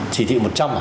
chỉ thị một trăm linh